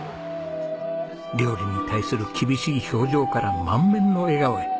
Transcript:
料理に対する厳しい表情から満面の笑顔へ。